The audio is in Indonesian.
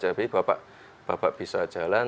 jadi bapak bisa jalan